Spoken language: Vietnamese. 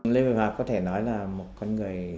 lê việt hòa có thể nói là một con người